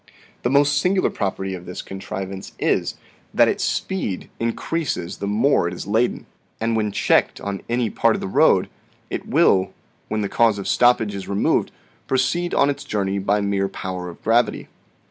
" The most singular property of this contrivance is, that its speed increases the more it is laden ; and when checked on any 6 4 THE SEVEN FOLLIES OF SCIENCE part of the road, it will, when the cause of stoppage is re moved, proceed on its journey by mere power of gravity.